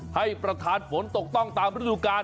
และประทานฝนตกต้องตามฤทธิการ